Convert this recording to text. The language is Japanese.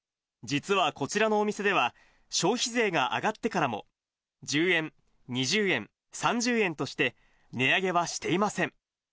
実はこちらのお店では、消費税が上がってからも、１０円、２０円、３０円として、値上げはしていません。